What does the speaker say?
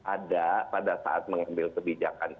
ada pada saat mengambil kebijakan